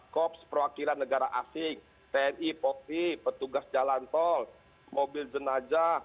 kops perwakilan negara asing tni polri petugas jalan tol mobil jenajah